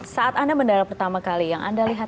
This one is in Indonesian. saat anda mendarat pertama kali yang anda lihat